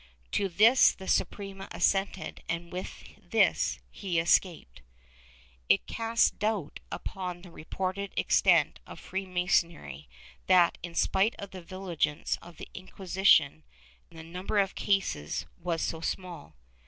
To this the Suprema assented and with this he escaped.^ It casts doubt upon the reported extent of Free Masonry that, in spite of the vigilance of the Inquisition, the number of cases was so small.